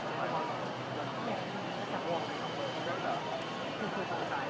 มีหลอสงครามสวัสดีครับ